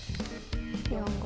４５。